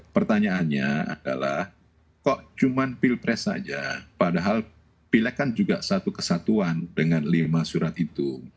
pertanyaannya adalah kok cuma pilpres saja padahal pilek kan juga satu kesatuan dengan lima surat itu